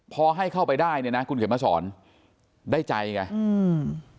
พอให้เข้าไปได้เนี่ยนะคุณเข็มมาสอนได้ใจไงอืม